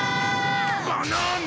バナナ！